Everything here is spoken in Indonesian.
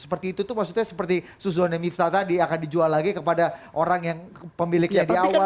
seperti itu tuh maksudnya seperti suzuhana miftah tadi akan dijual lagi kepada orang yang pemiliknya di awal